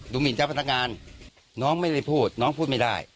หมินเจ้าพนักงานน้องไม่ได้พูดน้องพูดไม่ได้